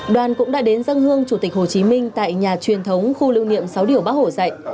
đoàn cũng đã đến dân hương chủ tịch hồ chí minh tại nhà truyền thống khu lưu niệm sáu điều bác hồ dạy